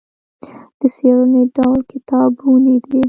د څېړنې ډول کتابتوني دی.